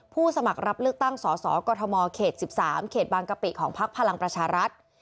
สมัครรับเลือกตั้งสสกมเขต๑๓เขตบางกะปิของพักพลังประชารัฐ